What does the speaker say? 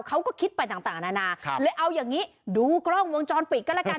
เขาก็คิดไปต่างนานาเลยเอาอย่างนี้ดูกล้องวงจรปิดก็แล้วกัน